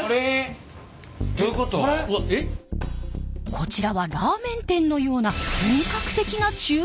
こちらはラーメン店のような本格的なちゅう房ですが。